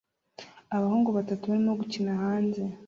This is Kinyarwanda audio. Abahungu batatu barimo gukina hanze